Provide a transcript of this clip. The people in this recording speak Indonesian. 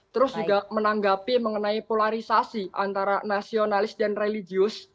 terus juga menanggapi mengenai polarisasi antara nasionalis dan religius